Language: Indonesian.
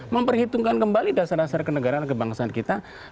memperhitungkan kembali dasar dasar kenegaraan kebangsaan kita